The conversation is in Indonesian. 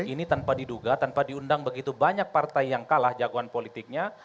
ini tanpa diduga tanpa diundang begitu banyak partai yang kalah jagoan politiknya